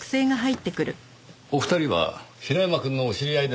お二人は平山くんのお知り合いですか？